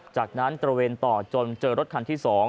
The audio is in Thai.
จากนั้นตระเวนต่อจนเจอรถคันที่๒